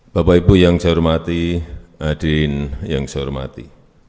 bapak ibu yang saya hormati hadirin yang saya hormati